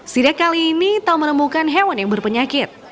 sida kali ini tahu menemukan hewan yang berpenyakit